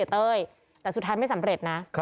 เต้ยแต่สุดท้ายไม่สำเร็จนะ